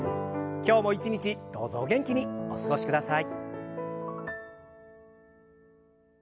今日も一日どうぞお元気にお過ごしください。